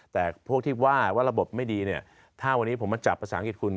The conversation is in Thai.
แต่พวกที่ว่าว่าระบบไม่ดีเนี่ยถ้าวันนี้ผมมาจับภาษาอังกฤษคุณ